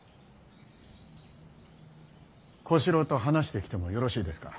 小四郎と話してきてもよろしいですか。